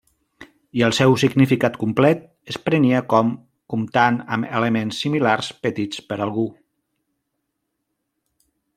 I el seu significat complet es prenia com: comptant amb elements similars petits per algú.